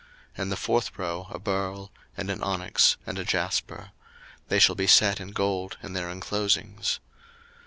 02:028:020 And the fourth row a beryl, and an onyx, and a jasper: they shall be set in gold in their inclosings.